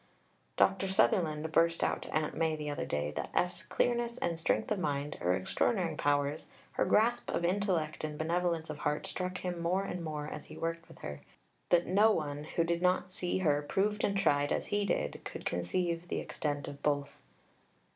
Dr. Sutherland burst out to Aunt Mai the other day that F.'s "clearness and strength of mind, her extraordinary powers, her grasp of intellect and benevolence of heart struck him more and more as he worked with her that no one who did not see her proved and tried as he did could conceive the extent of both."